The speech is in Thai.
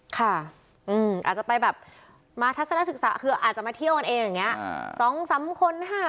ค่ะอาจจะไปแบบมาทัศนศึกษาคืออาจจะมาเที่ยวกันเองอย่างนี้